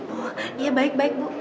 oh iya baik bu